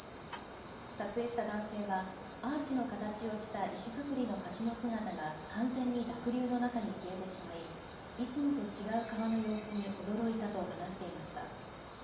撮影した男性はアーチの形をした石造りの橋の姿が完全に濁流の中に消えてしまいいつもと違う川の様子に驚いたと話していました。